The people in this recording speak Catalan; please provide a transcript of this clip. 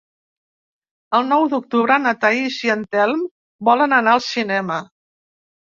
El nou d'octubre na Thaís i en Telm volen anar al cinema.